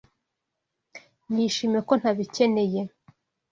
Nishimiye ko ntabikeneye